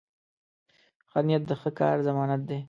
ښه نیت د ښه کار ضمانت دی.